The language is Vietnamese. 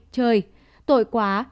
trời tội quá